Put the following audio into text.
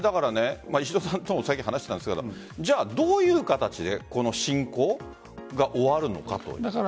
石戸さんともさっき話したんですがどういう形でこの侵攻が終わるのか。